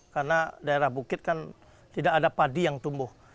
karena daerah bukit kan tidak ada padi yang tumbuh